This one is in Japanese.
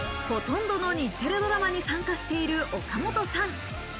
ほとんどの日テレドラマに参加している岡本さん。